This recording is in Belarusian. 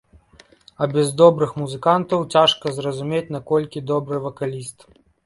А без добрых музыкантаў цяжка зразумець, наколькі добры вакаліст.